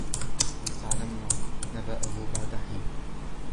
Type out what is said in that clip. ولتعلمن نبأه بعد حين